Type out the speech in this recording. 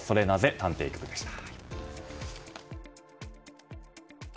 探偵局でした。